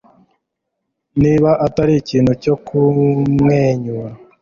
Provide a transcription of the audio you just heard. niba atari ikintu cyo kumwenyura